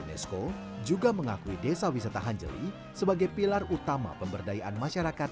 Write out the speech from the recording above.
unesco juga mengakui desa wisata hanjeli sebagai pilar utama pemberdayaan masyarakat